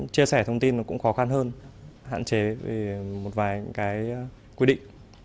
chia sẻ thông tin nó cũng khó khăn hơn hạn chế vì một vài cái quy định